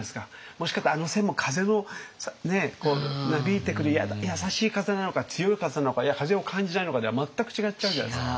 もしかしたらあの線も風のなびいてくる優しい風なのか強い風なのか風を感じないのかでは全く違っちゃうじゃないですか。